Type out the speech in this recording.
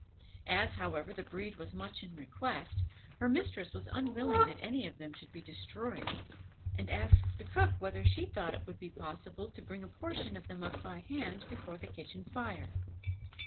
As, however, the breed was much in request, her mistress was unwilling that any of them should be destroyed, and asked the cook whether she thought it would be possible to bring a portion of them up by hand before the kitchen fire.